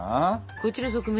こっちの側面